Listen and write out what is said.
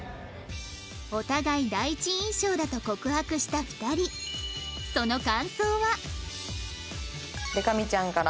お互い第一印象だと告白した２人でか美ちゃんから。